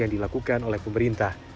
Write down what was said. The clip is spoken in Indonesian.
yang dilakukan oleh pemerintah